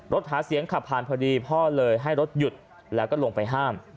หาเสียงขับผ่านพอดีพ่อเลยให้รถหยุดแล้วก็ลงไปห้าม